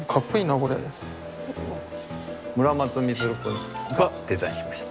村松充くんがデザインしました。